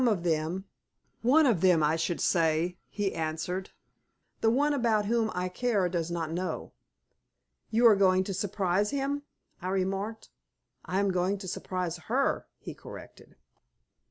"Some of them. One of them I should say," he answered. "The one about whom I care does not know." "You are going to surprise him?" I remarked. "I am going to surprise her," he corrected.